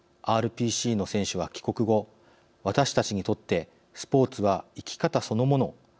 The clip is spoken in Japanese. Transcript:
ＲＰＣの選手は帰国後「私たちにとってスポーツは生き方そのもの。